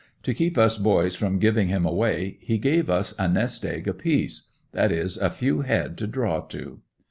To keep us boys from giving him away, he gave us a nest egg apiece that is a few head to draw to.